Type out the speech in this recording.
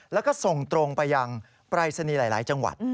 แล้วก็ส่งตรงไปยังปรายศนีย์หลายจังหวัด